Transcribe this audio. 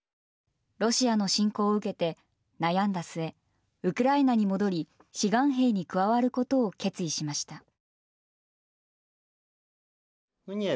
ロシアの侵攻を受けて悩んだ末、ウクライナに戻り志願兵に加わることを決意しました。